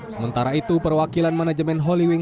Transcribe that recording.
sementara itu perwakilan manajemen holy wing